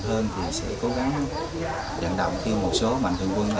còn hơn thì sẽ cố gắng dẫn động khi một số mạng thường quân ở đây vui